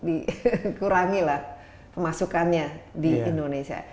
inilah yang dikurangi lah kemasukannya di indonesia